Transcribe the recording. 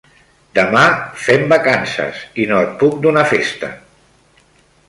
Demà fem vacances i no et puc donar festa.